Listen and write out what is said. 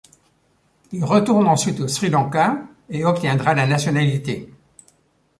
Il retourne ensuite au Sri Lanka et obtiendra la nationalité.